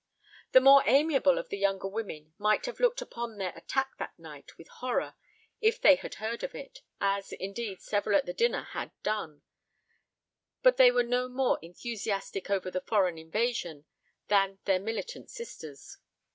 The more amiable of the younger women might have looked upon their attack that night with horror if they had heard of it, as, indeed, several at the dinner had done, but they were no more enthusiastic over the "foreign invasion" than their militant sisters.